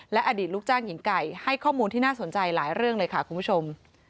อดีตลูกจ้างหญิงไก่ให้ข้อมูลที่น่าสนใจหลายเรื่องเลยค่ะคุณผู้ชม